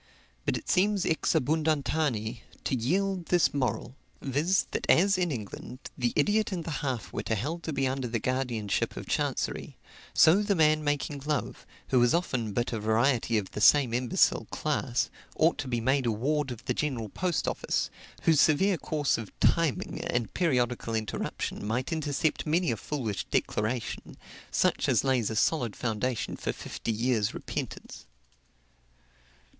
But it seems, ex abundanti, to yield this moral viz., that as, in England, the idiot and the half wit are held to be under the guardianship of chancery, so the man making love, who is often but a variety of the same imbecile class, ought to be made a ward of the General Post Office, whose severe course of timing and periodical interruption might intercept many a foolish declaration, such as lays a solid foundation for fifty years' repentance.